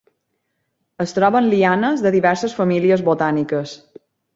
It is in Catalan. Es troben lianes de diverses famílies botàniques.